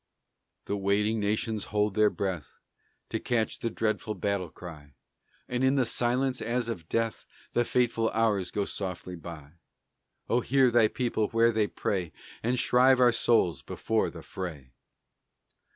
The waiting nations hold their breath To catch the dreadful battle cry; And in the silence as of death The fateful hours go softly by. Oh, hear thy people where they pray, And shrive our souls before the fray!